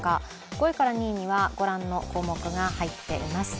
５位から２位にはご覧の項目が入っています。